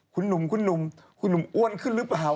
คุณหนุ่มคุณหนุ่มคุณหนุ่มอ้วนขึ้นหรือเปล่า